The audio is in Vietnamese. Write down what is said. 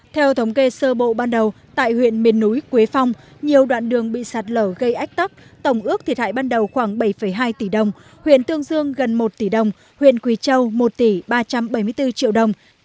theo thống kê sơ bộ ban đầu tại huyện miền núi quế phong nhiều đoạn đường bị sạt lở gây ách tắc tổng ước thiệt hại ban đầu khoảng bảy hai tỷ đồng huyện tương dương gần một tỷ đồng huyện quỳ châu một tỷ ba trăm bảy mươi bốn triệu đồng